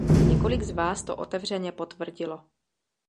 Několik z vás to otevřeně potvrdilo.